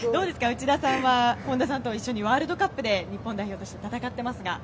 内田さんは本田さんと一緒にワールドカップで日本代表として戦っていますが。